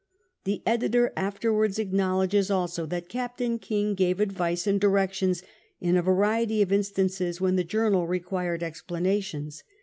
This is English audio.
The editor afterwards acknowledges also that Captain King gave advice and dinictions in a variety of instances when the journal required explanations.